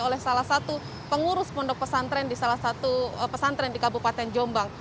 oleh salah satu pengurus pondok pesantren di salah satu pesantren di kabupaten jombang